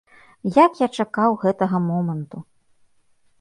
Як я чакаў гэтага моманту!